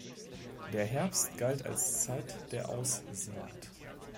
Der Herbst galt als "Zeit der Aussaat".